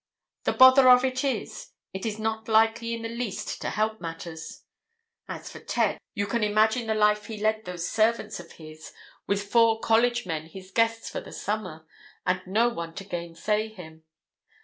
The bother of it is, it is not likely in the least to help matters. As for Ted, you can imagine the life he led those servants of his, with four college men his guests for the summer, and no one to gainsay him.